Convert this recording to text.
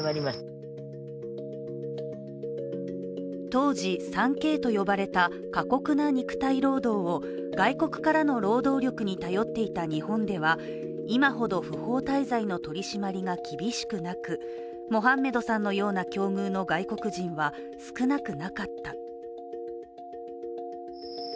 当時、３Ｋと呼ばれた過酷な肉体労働を外国からの労働力に頼っていた日本では今ほど不法滞在の取り締まりが厳しくなく、モハンメドさんのような境遇の外国人は少なくなかった。